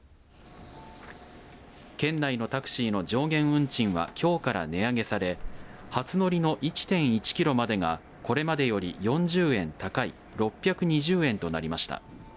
県内のタクシーの上限運賃はきょうから値上げされ初乗りの１．１キロまでがこれまでより４０円高い６２０円となりました。